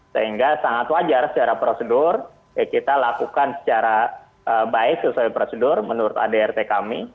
sehingga sangat wajar secara prosedur kita lakukan secara baik sesuai prosedur menurut adrt kami